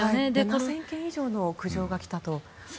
７０００件以上の苦情が来たと。